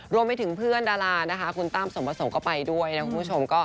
รวมไปถึงเพื่อนดาราคุณตามส่งมาส่งก็ไปด้วยคุณผู้ชม